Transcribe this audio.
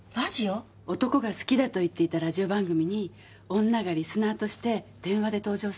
男が好きだと言っていたラジオ番組に女がリスナーとして電話で登場するの。